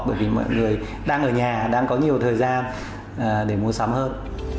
bởi vì mọi người đang ở nhà đang có nhiều thời gian để mua sắm hơn